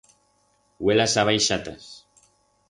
Hue las ha baixatas.